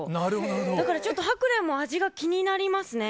だからちょっと、ハクレンも味がそうですね。